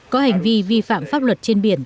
có hành vi vi phạm pháp luật trên biển